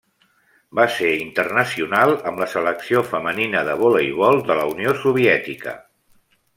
Va ser internacional amb la Selecció femenina de voleibol de la Unió Soviètica.